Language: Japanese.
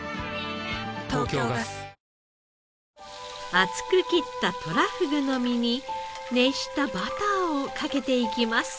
厚く切ったとらふぐの身に熱したバターをかけていきます。